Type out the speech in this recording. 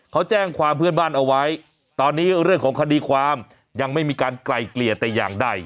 เขาแจ้งความเพื่อนบ้านเอาไว้ตอนนี้เรื่องของคดีความยังไม่มีการไกลเกลี่ยแต่อย่างใด